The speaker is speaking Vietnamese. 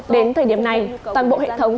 đến thời điểm này toàn bộ hệ thống